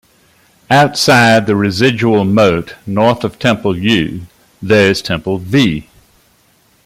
Outside the residual moat, north of temple "U", there is temple "V".